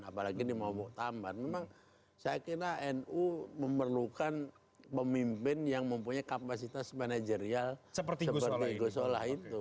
apalagi di mabuk taman memang saya kira no memerlukan pemimpin yang mempunyai kapasitas manajerial seperti gus solah itu